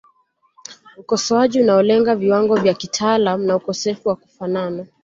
Ukosoaji unaolenga viwango vya kitaalamu na ukosefu wa kufanana